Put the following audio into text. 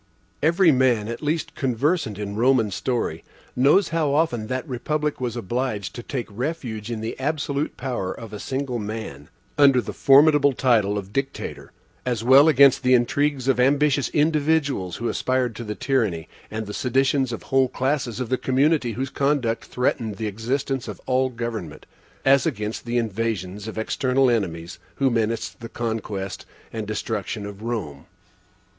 Every man the least conversant in Roman history, knows how often that republic was obliged to take refuge in the absolute power of a single man, under the formidable title of Dictator, as well against the intrigues of ambitious individuals who aspired to the tyranny, and the seditions of whole classes of the community whose conduct threatened the existence of all government, as against the invasions of external enemies who menaced the conquest and destruction of Rome.